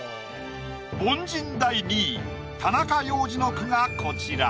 凡人第２位田中要次の句がこちら。